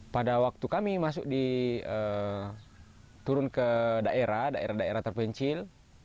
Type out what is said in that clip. pada waktu kami turun ke daerah terpencil